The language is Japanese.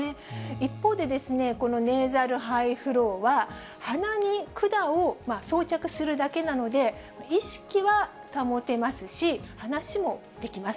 一方で、このネーザルハイフローは、鼻に管を装着するだけなので、意識は保てますし、話もできます。